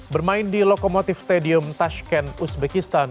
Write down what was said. bermain di lokomotif stadium tashken uzbekistan